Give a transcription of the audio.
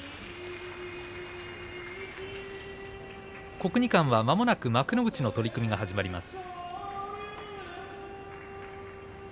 国技館はまもなく幕内の取組が始まります。